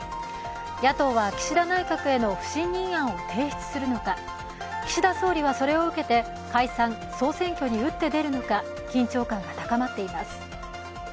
野党は岸田内閣への不信任案を提出するのか岸田総理はそれを受けて解散総選挙に打って出るのか緊張感が高まっています。